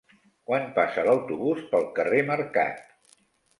Quan passa l'autobús pel carrer Mercat?